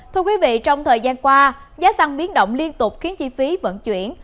thưa quý vị trong thời gian qua giá xăng biến động liên tục khiến chi phí vận chuyển